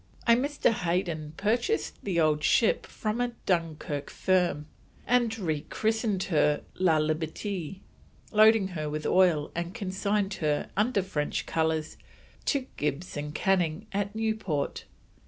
A Mr. Hayden purchased the old ship from a Dunkirk firm and re christened her La Liberte, loaded her with oil and consigned her, under French colours, to Gibbs and Canning at Newport.